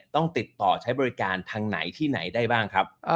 ต้องติดต่อใช้บริการทางไหนที่ไหนได้บ้างครับ